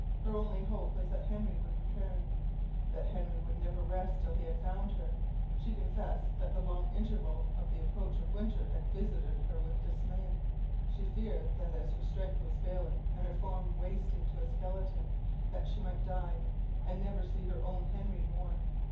Her only hope was that Henry would return that Henry would never rest till he had found her. She confessed that the long interval and the approach of winter had visited her with dismay; she feared that, as her strength was failing, and her form wasting to a skeleton, that she might die, and never see her own Henry more.